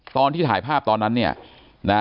ตอนที่ถ่ายภาพตอนนั้น